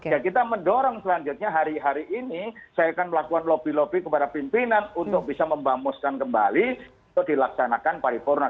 ya kita mendorong selanjutnya hari hari ini saya akan melakukan lobby lobby kepada pimpinan untuk bisa membamuskan kembali dilaksanakan paripurna